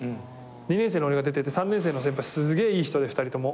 ２年生の俺が出てて３年生の先輩すげえいい人で２人とも。